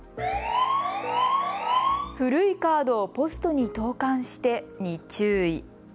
古いカードをポストに投かんしてに注意。